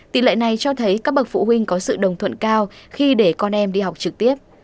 tỷ lệ này cho thấy các bậc phụ huynh có sự đồng thuận cao khi để con em đi học trực tiếp